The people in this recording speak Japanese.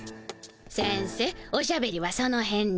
先生おしゃべりはそのへんで。